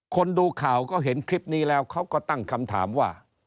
คนดูข่าวก็เห็นคลิปนี้แล้วเขาก็ตั้งคำถามว่า